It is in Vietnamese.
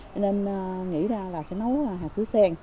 cho nên nghĩ ra là sẽ nấu hạt sữa sen